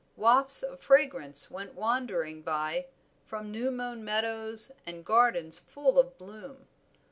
Wafts of fragrance went wandering by from new mown meadows and gardens full of bloom.